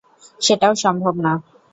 সেটাও সম্ভব না।